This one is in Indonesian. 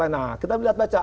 nah kita lihat baca